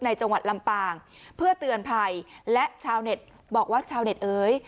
จังหวัดลำปางเพื่อเตือนภัยและชาวเน็ตบอกว่าชาวเน็ตเอ๋ย